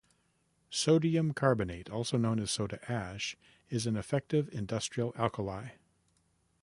Sodium carbonate, also known as soda ash, is an effective industrial alkali.